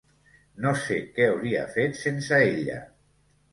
No sé què hauria fet sense ella.